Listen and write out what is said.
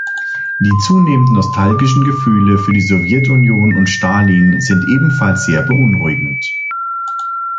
Die zunehmend nostalgischen Gefühle für die Sowjetunion und Stalin sind ebenfalls sehr beunruhigend.